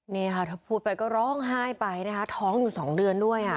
นี่ค่ะถ้าพูดไปก็ร้องไห้ไปนะคะท้องอยู่๒เดือนด้วย